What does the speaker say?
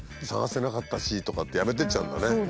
探せなかったしとかって辞めてっちゃうんだね。